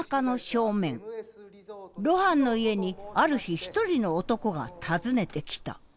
露伴の家にある日一人の男が訪ねてきた。